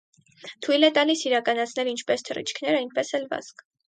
Թույլ է տալիս իրականացնել ինչպես թռիչքներ, այնպես էլ վազք։